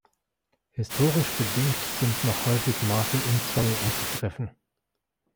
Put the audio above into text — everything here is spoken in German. Historisch bedingt sind noch häufig Maße in Zoll anzutreffen.